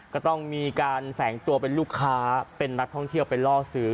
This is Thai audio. ก็ต้องมีการแฝงตัวเป็นลูกค้าเป็นนักท่องเที่ยวไปล่อซื้อ